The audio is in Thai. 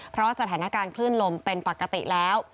เพราะสถานการณ์คลื่นลมเป็นปกติแล้ว